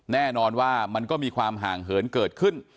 แน่นอนว่ามันก็มีความห่างเหินเกิดขึ้น